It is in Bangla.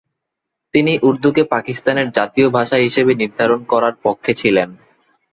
তিনি উর্দুকে পাকিস্তানের জাতীয় ভাষা হিসাবে নির্ধারণ করার পক্ষে ছিলেন।